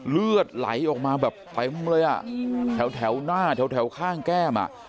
เลือดไหลออกมาแบบเลยอ่ะแถวแถวหน้าแถวแถวข้างแก้มอ่ะ